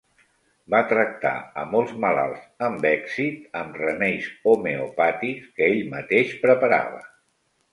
Va tractar a molts malalts amb èxit amb remeis homeopàtics que ell mateix preparava.